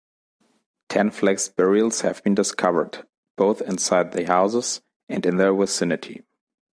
Ten flexed burials have been discovered, both inside the houses and in their vicinity.